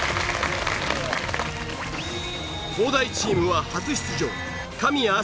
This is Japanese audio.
東大チームは初出場神谷明